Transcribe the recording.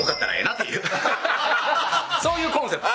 そういうコンセプト。